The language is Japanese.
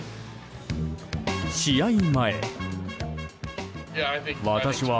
試合前。